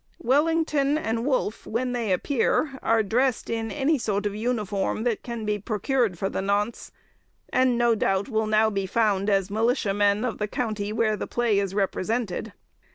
Wellington and Wolfe, when they appear, are dressed in any sort of uniform that can be procured for the nonce, and no doubt will now be found as militia men of the county where the play is represented.